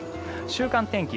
週間天気